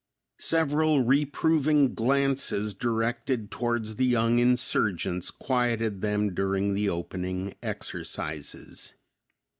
Several reproving glances directed towards the young insurgents quieted them during the opening exercises.